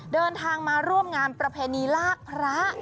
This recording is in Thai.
เดินทางมาร่วมงานประเพณีลากพระ